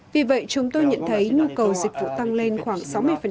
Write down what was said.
vì vậy chúng tôi nhận thấy nhu cầu dịch vụ tăng lên khoảng sáu mươi